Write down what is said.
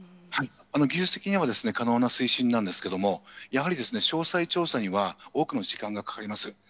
技術的には可能な水深なんですけれども、やはり詳細調査には多くの時間がかかります。